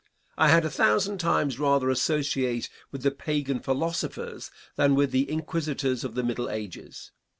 I had a thousand times rather associate with the Pagan philosophers than with the inquisitors of the Middle Ages.